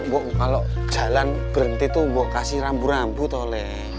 ambo tuh lo kalo jalan berhenti tuh gue kasih rambu rambu toleh